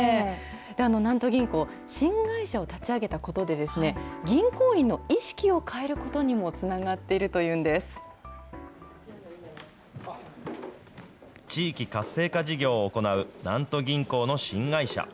南都銀行、新会社を立ち上げたことで、銀行員の意識を変えることにもつながっているというん地域活性化事業を行う南都銀行の新会社。